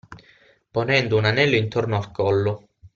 Ponendo un anello intorno al collo.